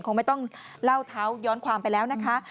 คงไม่ต้องเล่าเท้าย้อนความไปแล้วนะคะ